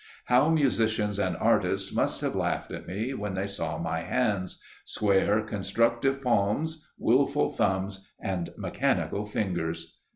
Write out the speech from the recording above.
How musicians and artists must have laughed at me when they saw my hands square, constructive palms, wilful thumbs and mechanical fingers!